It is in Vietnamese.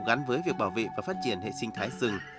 gắn với việc bảo vệ và phát triển hệ sinh thái rừng